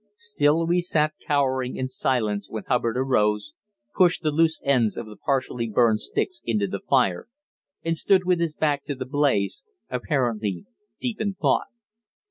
Still we sat cowering in silence when Hubbard arose, pushed the loose ends of the partially burned sticks into the fire and stood with his back to the blaze, apparently deep in thought.